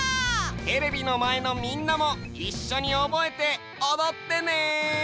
テレビのまえのみんなもいっしょにおぼえておどってね！